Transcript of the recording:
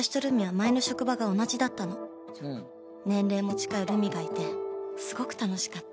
年齢も近いルミがいてすごく楽しかった。